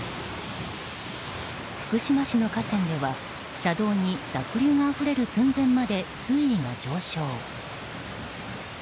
福島市の河川では車道に濁流があふれる寸前まで水位が上昇。